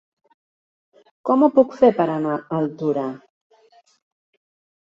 Com ho puc fer per anar a Altura?